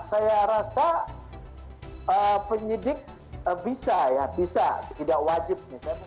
saya rasa penyidik bisa ya bisa tidak wajib misalnya